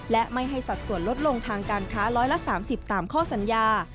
และไม่ให้สัดส่วนลดลงทางการค้า๑๓๐ตามข้อสัญญา